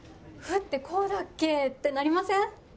「ふ」ってこうだっけってなりません？